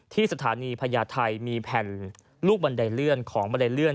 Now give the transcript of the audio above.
ที่สถานีพญาไทยมีแผ่นลูกบันไดเลื่อนของบันไดเลื่อน